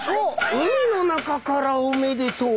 「海の中からおめでとう」